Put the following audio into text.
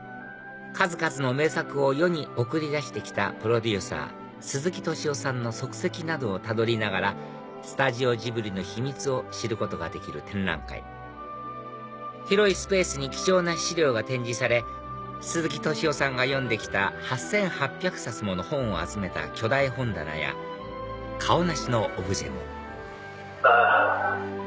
数々の名作を世に送り出して来たプロデューサー鈴木敏夫さんの足跡などをたどりながらスタジオジブリの秘密を知ることができる展覧会広いスペースに貴重な資料が展示され鈴木敏夫さんが読んで来た８８００冊もの本を集めた巨大本棚やカオナシのオブジェもあっ。